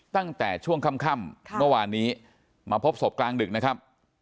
ตั้งแต่ช่วงค่ำเมื่อวานนี้มาพบศพกลางดึกนะครับ